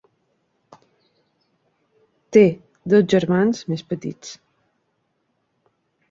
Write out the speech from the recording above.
Té dos germans més petits.